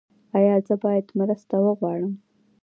ایا زه باید مرسته وغواړم؟